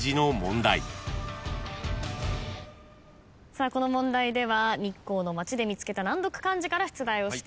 さあこの問題では日光の町で見つけた難読漢字から出題をしてまいります。